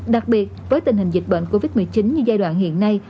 đặc biệt với tình hình dịch bệnh covid một mươi chín như giai đoạn hiện nay